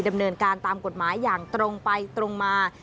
ดำเนินการตามกฎหมายอย่างตรงไปตรงมา